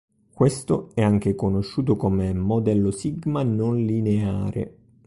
Questo è anche conosciuto come modello sigma non lineare.